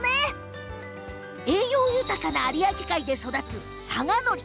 栄養豊かな有明海で育つ佐賀のり。